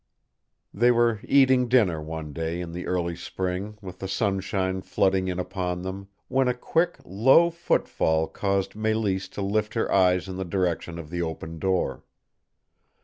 They were eating dinner, one day in the early spring, with the sunshine flooding in upon them, when a quick, low footfall caused Mélisse to lift her eyes in the direction of the open door.